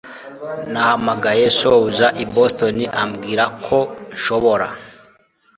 Nahamagaye shobuja i Boston ambwira ko nshobora